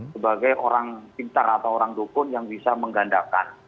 sebagai orang pintar atau orang dukun yang bisa menggandakan